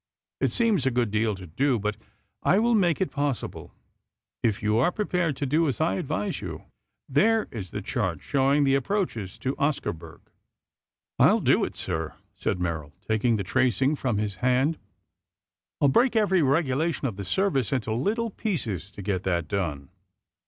It seems a good deal to do, but I will make it possible, if you are prepared to do as I advise you. There is the chart showing the approaches to Oscarburg." "I'll do it, sir," said Merrill, taking the tracing from his hand. "I'll break every regulation of the Service into little pieces to get that done.